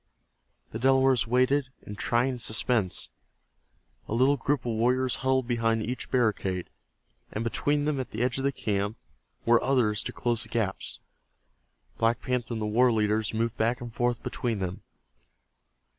The Delawares waited in trying suspense. A little group of warriors huddled behind each barricade, and between them, at the edge of the camp, were others to close the gaps. Black Panther and the war leaders moved back and forth between them.